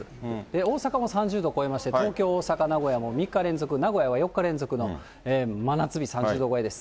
大阪も３０度を超えまして、東京、大阪、もう６日連続の名古屋は４日連続の真夏日、３０度超えです。